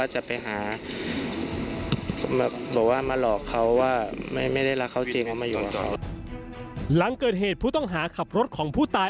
หลังเกิดเหตุผู้ต้องหาขับรถของผู้ตาย